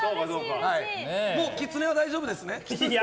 もうきつねは大丈夫ですね？